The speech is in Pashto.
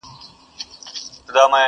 جار دي له حیا سم چي حیا له تا حیا کوي،